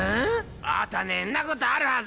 あたねんなことあるはず。